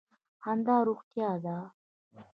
خندا روغتیا ده.